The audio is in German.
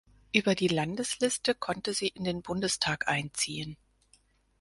Über die Landesliste konnte sie in den Bundestag einziehen.